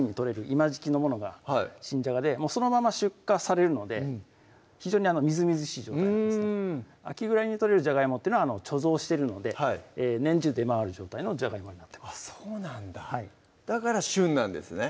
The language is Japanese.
今時季のものが新じゃがでそのまま出荷されるので非常にみずみずしい状態なんです秋ぐらいに採れるじゃがいもは貯蔵してるので年中出回る状態のじゃがいもになってますそうなんだだから旬なんですね